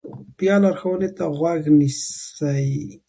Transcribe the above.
بیا لارښوونو ته غوږ نیسي.